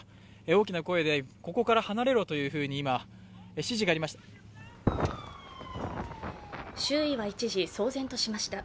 大きな声でここから離れろというふうに指示がありました。